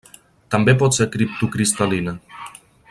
També pot ser criptocristal·lina.